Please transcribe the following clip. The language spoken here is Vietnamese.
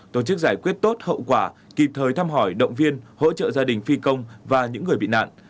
tổ chức giải quyết tốt hậu quả kịp thời thăm hỏi động viên hỗ trợ gia đình phi công và những người bị nạn